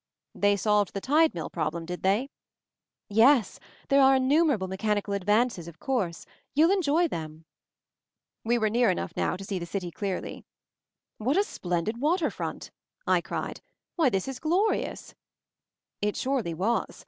"They solved the tide mill problem, did they?" "Yes. There are innumerable mechani cal advances, of course. You'll en j oy them." We were near enough now to see the city clearly. "What a splendid water front!" I cried. "Why, this is glorious." It surely was.